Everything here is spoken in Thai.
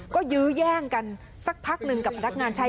ก็ยื้อแย่งกันสักพักหนึ่งกับพนักงานชาย